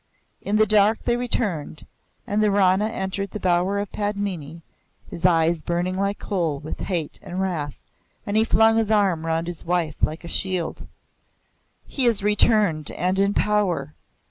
In the dark they returned, and the Rana entered the bower of Padmini, his eyes burning like coal with hate and wrath, and he flung his arm round his wife like a shield. "He is returned, and in power.